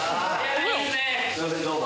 すいませんどうも。